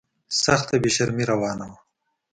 سخته بې شرمي روانه وه.